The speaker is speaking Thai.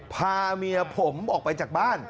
พาเมียผมออกไปจากบ้าน